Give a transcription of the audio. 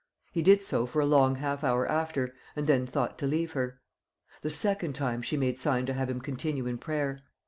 He did so for a long half hour after, and then thought to leave her. The second time she made sign to have him continue in prayer.